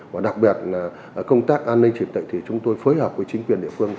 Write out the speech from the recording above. và đặc biệt là công tác an ninh triển tệnh thì chúng tôi phối hợp với chính quyền địa phương